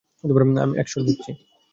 আমি অ্যাকশন নিচ্ছি।